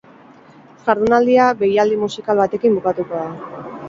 Jardunaldia beilaldi musikal batekin bukatuko da.